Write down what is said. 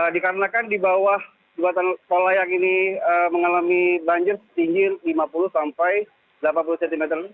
dikarenakan di bawah jembatan tol layang ini mengalami banjir tinggi lima puluh sampai delapan puluh cm